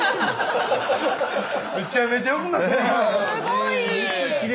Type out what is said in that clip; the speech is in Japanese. めちゃめちゃよくなってる！